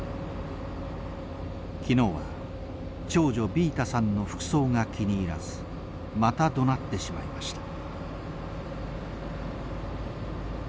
昨日は長女ビータさんの服装が気に入らずまたどなってしまいました。